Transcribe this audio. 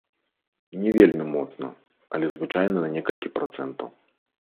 Не вельмі моцна, але звычайна на некалькі працэнтаў.